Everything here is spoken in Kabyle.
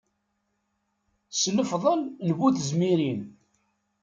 S lefḍel n bu tezmirin.